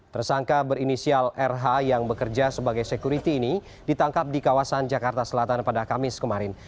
tersangka berinisial rh yang bekerja sebagai security ini ditangkap di kawasan jakarta selatan pada kamis kemarin